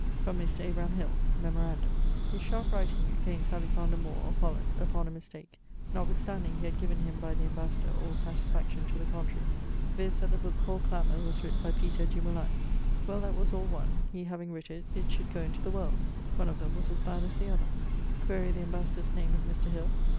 ] From Mr. Abraham Hill: Memorandum: his sharp writing against Alexander More, of Holland, upon a mistake, notwithstanding he had given him by the ambassador[XXIV.] all satisfaction to the contrary: viz. that the booke called 'Clamor' was writt by Peter du Moulin. Well, that was all one; he having writt it, it should goe into the world; one of them was as bad as the other. [XXIV.] Quaere the ambassador's name of Mr. Hill?